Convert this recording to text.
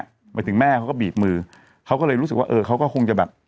หมายถึงแม่เขาก็บีบมือเขาก็เลยรู้สึกว่าเออเขาก็คงจะแบบ